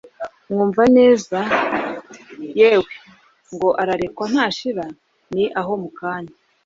Mwumvaneza: Yewe, ngo ararekwa ntashira ni aho mu kanya;